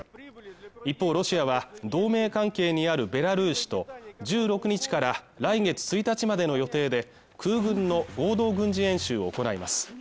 一方ロシアは同盟関係にあるベラルーシと１６日から来月１日までの予定で空軍の合同軍事演習を行います